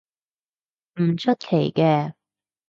唔出奇嘅